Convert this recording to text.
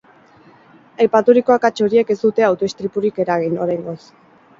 Aipaturiko akats horiek ez dute auto-istripurik eragin, oraingoz.